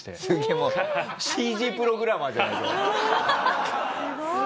もうＣＧプログラマーじゃないそれ。